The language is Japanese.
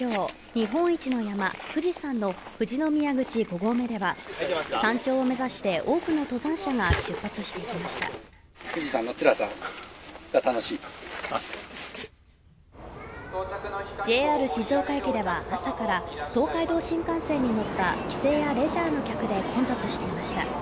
日本一の山富士山の富士宮口５合目では山頂を目指して多くの登山者が出発していきましたＪＲ静岡駅では朝から東海道新幹線に乗った帰省やレジャーの客で混雑していました